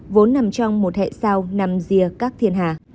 vốn nằm trong một hệ sao nằm rìa các thiên hà